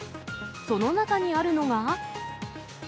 その中にあるのが。